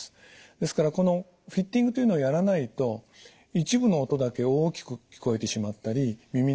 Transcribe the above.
ですからこのフィッティングというのをやらないと一部の音だけ大きく聞こえてしまったり耳鳴りがしたり。